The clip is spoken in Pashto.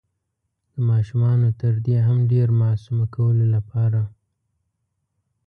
د ماشومانو تر دې هم ډير معصومه کولو لپاره